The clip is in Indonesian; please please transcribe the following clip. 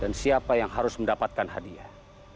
dan siapa yang harus mendapatkan hadiah